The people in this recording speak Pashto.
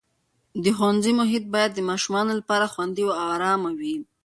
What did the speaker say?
د ښوونځي محیط باید د ماشومانو لپاره خوندي او ارام وي.